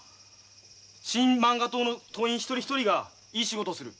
新漫画党の党員一人一人がいい仕事をする。